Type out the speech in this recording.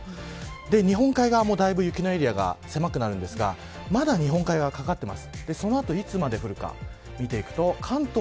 日本海側もだいぶ雪のエリアが狭くなるんですがまだ日本海側、掛かってます。